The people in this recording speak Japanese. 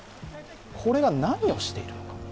これが何をしているのか。